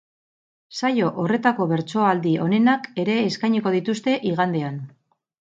Saio horretako bertsoaldi onenak ere eskainiko dituzte igandean.